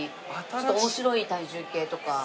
ちょっと面白い体重計とか。